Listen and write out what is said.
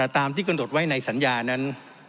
ตามที่กำหนดไว้ในสัญญานั้น